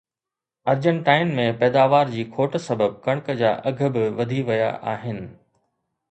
ارجنٽائن ۾ پيداوار جي کوٽ سبب ڪڻڪ جا اگهه به وڌي ويا آهن